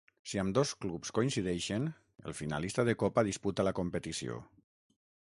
Si ambdós clubs coincideixen, el finalista de copa disputa la competició.